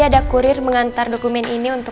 dokumen apaan sih